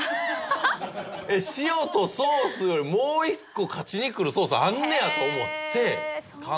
えっ塩とソースよりもう一個勝ちにくるソースあんねやと思って感動したお店ですね。